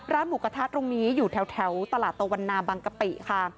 หมูกระทะตรงนี้อยู่แถวตลาดตะวันนาบางกะปิค่ะ